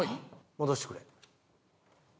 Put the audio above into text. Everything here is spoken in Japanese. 戻してくれ。